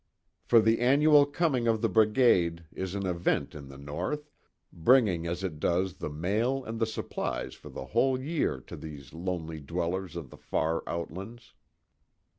For the annual coming of the brigade is an event in the North, bringing as it does the mail and the supplies for the whole year to these lonely dwellers of the far outlands.